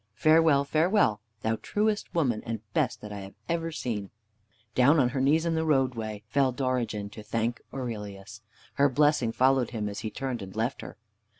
Farewell, farewell! thou truest woman and best that I have ever seen." Down on her knees, on the roadway, fell Dorigen to thank Aurelius. Her blessing followed him as he turned and left her.